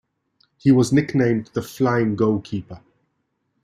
He was nicknamed the "Flying goalkeeper".